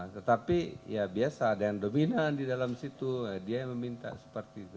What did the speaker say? tetapi ya biasa ada yang dominan di dalam situ dia yang meminta seperti itu